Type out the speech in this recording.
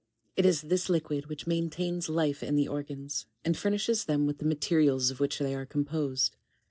14. It is this liquid which maintains life in the organs, and furnishes them with the materials of which they are composed.